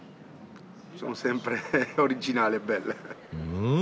うん！